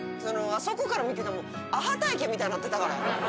あそこから見ててもアハ体験みたいになってたから。